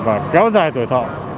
và kéo dài tuổi thọ